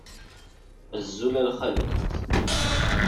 Azul a lxalat.